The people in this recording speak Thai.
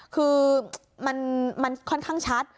คือมันค่อนข้างชัด